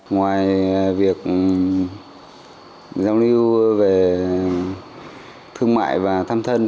ngoài việc giao lưu về thương mại và thăm thân